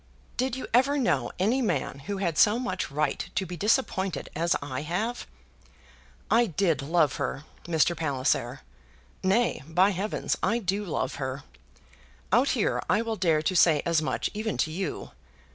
Did you ever know any man who had so much right to be disappointed as I have? I did love her, Mr. Palliser. Nay, by heavens! I do love her. Out here I will dare to say as much even to you.